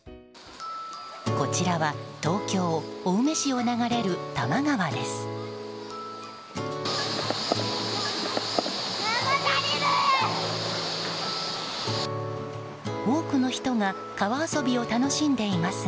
こちらは東京・青梅市を流れる多摩川です。